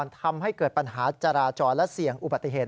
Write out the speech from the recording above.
ทำให้เกิดปัญหาจราจรและเสี่ยงอุบัติเหตุ